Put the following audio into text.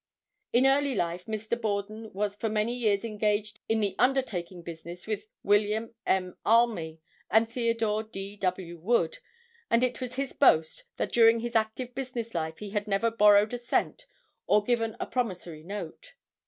In early life Mr. Borden was for many years engaged in the undertaking business with William M. Almy and Theodore D. W. Wood and it was his boast that during his active business life he never borrowed a cent or gave a promisory note.